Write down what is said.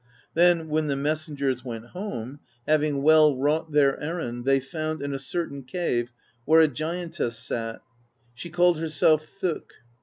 Then, when the messengers went home, having well wrought their errand, they found, in a cer tain cave, where a giantess sat : she called herself Thokk.